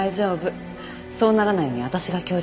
そうならないように私が協力するわ。